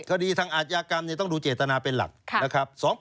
คดีทางอาชญากรรมเนี่ยต้องดูเจตนาเป็นหลัก